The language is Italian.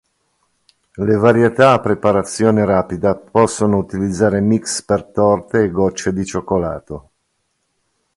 Le varietà a preparazione rapida possono utilizzare mix per torte e gocce di cioccolato.